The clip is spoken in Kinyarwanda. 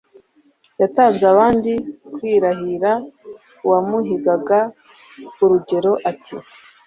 yatanze abandi kwirahira; uwamuhigaga urugero ati: